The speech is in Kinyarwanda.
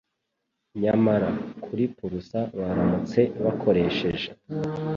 Nyamara, kuri purusa baramutse bakoresheje